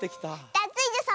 ダツイージョさん